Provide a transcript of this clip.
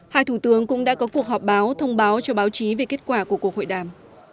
hai thủ tướng cũng đã có cuộc họp báo thông báo cho báo chí về kết quả của cuộc hội đàm